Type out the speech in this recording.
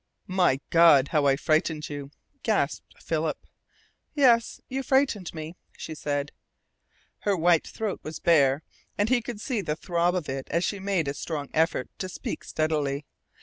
"My God, how I frightened you!" gasped Philip. "Yes, you frightened me," she said. Her white throat was bare, and he could see the throb of it as she made a strong effort to speak steadily.